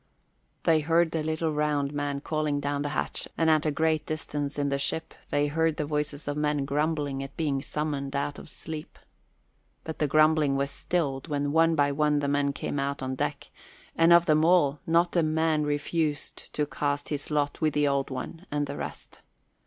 They heard the little round man calling down the hatch and at a great distance in the ship they heard the voices of men grumbling at being summoned out of sleep. But the grumbling was stilled when one by one the men came out on deck; and of them all, not a man refused to cast his lot with the Old One and the rest.